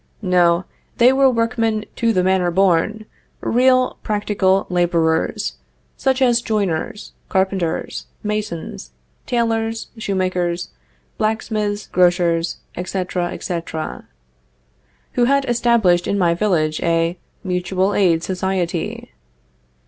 No, they were workmen "to the manor born," real, practical laborers, such as joiners, carpenters, masons, tailors, shoemakers, blacksmiths, grocers, etc., etc., who had established in my village a Mutual Aid Society.